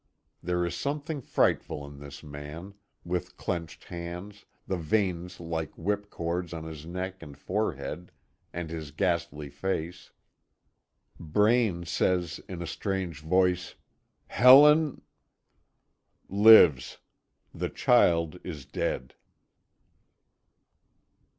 There is something frightful in this man, with clenched hands, the veins like whip cords on his neck and forehead, and his ghastly face. Braine says in a strange voice: "Helen " "Lives; the child is dead."